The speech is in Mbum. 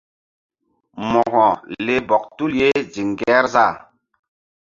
Mo̧ko leh bɔk tul ye ziŋ Ŋgerzah.